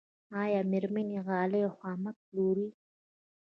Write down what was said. آیا میرمنې غالۍ او خامک پلوري؟